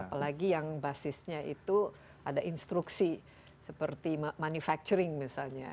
apalagi yang basisnya itu ada instruksi seperti manufacturing misalnya